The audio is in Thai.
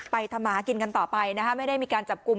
ทำหากินกันต่อไปนะคะไม่ได้มีการจับกลุ่ม